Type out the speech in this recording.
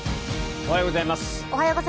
おはようございます。